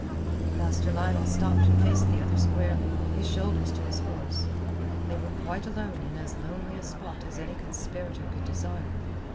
Master Lionel stopped and faced the other squarely, his shoulders to his horse. They were quite alone in as lonely a spot as any conspirator could desire.